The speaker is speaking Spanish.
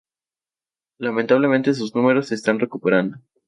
Lentamente sus números se están recuperando.